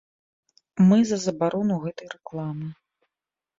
Мы за забарону гэтай рэкламы.